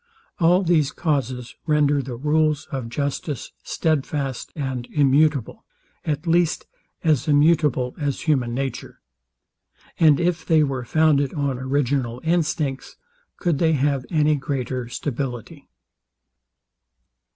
All these causes render the rules of justice stedfast and immutable; at least, as immutable as human nature. And if they were founded on original instincts, could they have any greater stability?